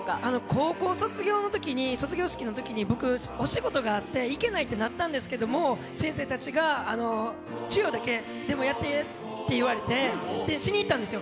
高校卒業式のときに、僕、お仕事があって行けないってなったんですけど、先生たちが、授与だけやっていけってやっていったんです。